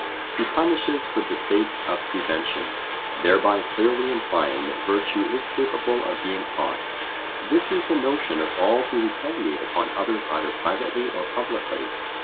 He punishes for the sake of prevention, thereby clearly implying that virtue is capable of being taught. This is the notion of all who retaliate upon others either privately or publicly.